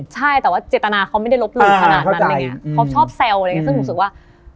ใช่แต่ว่าเจตนาเขาไม่ได้ลบหลู่ขนาดนั้นเขาชอบแซวซึ่งรู้สึกว่า